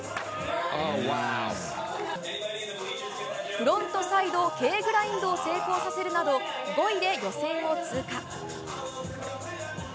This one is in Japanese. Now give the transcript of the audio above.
フロントサイドＫグラインドを成功させるなど５位で予選を通過。